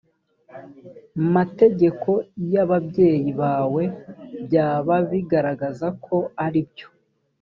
mategeko y ababyeyi bawe byaba bigaragaza ko aribyo